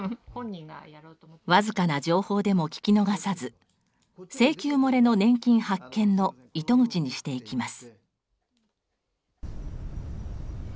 わずかな情報でも聞き逃さず請求もれの年金発見の糸口にしていきます。